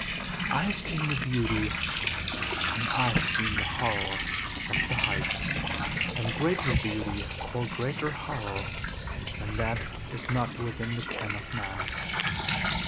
I have seen the beauty and I have seen the horror of the heights and greater beauty or greater horror than that is not within the ken of man.